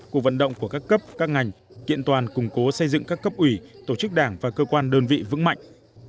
cuộc vận động của các cấp các ngành kiện toàn củng cố xây dựng các cấp ủy tổ chức đảng và cơ quan đơn vị vững mạnh